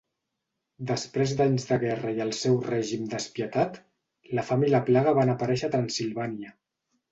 Després d'anys de guerra i el seu règim despietat, la fam i la plaga van aparèixer a Transsilvània.